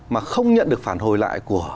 mà không nhận được phản hồi lại của